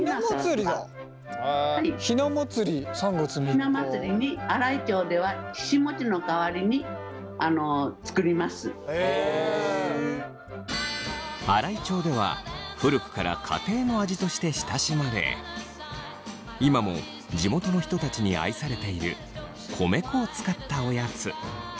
ひな祭りに新居町では新居町では古くから家庭の味として親しまれ今も地元の人たちに愛されている米粉を使ったおやつ。